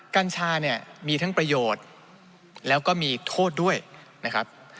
กัญชาเนี่ยมีทั้งประโยชน์แล้วก็มีโทษด้วยนะครับ